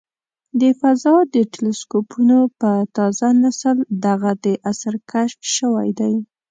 د فضا د ټیلسکوپونو په تازه نسل دغه د عصر کشف شوی دی.